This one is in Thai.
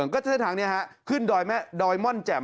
ก็เส้นทางนี้ขึ้นดอยม่อนแจ่ม